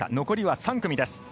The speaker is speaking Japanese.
残りは３組です。